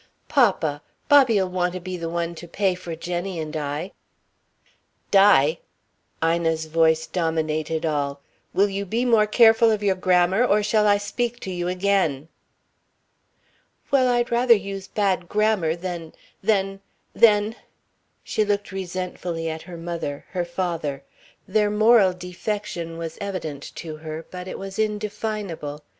"Papa! Bobby'll want to be the one to pay for Jenny and I " "Di!" Ina's voice dominated all. "Will you be more careful of your grammar or shall I speak to you again?" "Well, I'd rather use bad grammar than than than " she looked resentfully at her mother, her father. Their moral defection was evident to her, but it was indefinable.